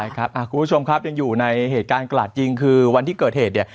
คุณผู้ชมครับยังอยู่ในเหตุการณ์กระหลาดยิงคือวันที่เกิดเหตุเนี่ย